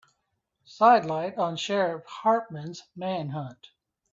Sidelights on Sheriff Hartman's manhunt.